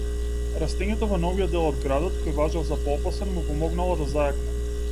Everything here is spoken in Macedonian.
Растењето во новиот дел од градот, кој важел за поопасен, му помогнално да зајакне.